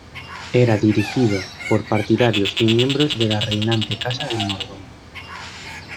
Era dirigido por partidarios y miembros de la reinante Casa de Norodom.